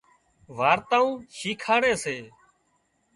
وارتائون شيکاڙي سي